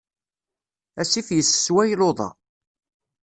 Asif yessesway luḍa.